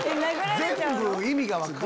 全部意味が分からん。